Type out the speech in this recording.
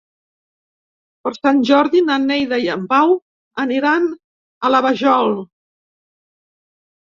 Per Sant Jordi na Neida i en Pau aniran a la Vajol.